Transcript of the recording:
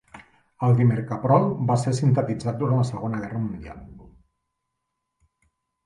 El dimercaprol va ser sintetitzat durant la Segona Guerra Mundial.